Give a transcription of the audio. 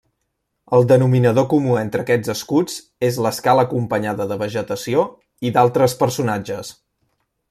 El denominador comú entre aquests escuts és l'escala acompanyada de vegetació i d'altres personatges.